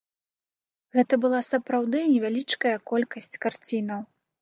Гэта была сапраўды невялічкая колькасць карцінаў.